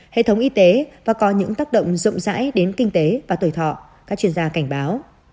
hệ thống y tế và có những tác động rộng rãi đến kinh tế và tuổi thọ các chuyên gia cảnh báo